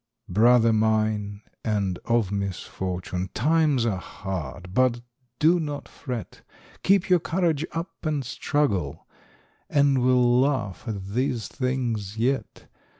Brother mine, and of misfortune ! times are hard, but do not fret, Keep your courage up and struggle, and we'll laugh at these things yet.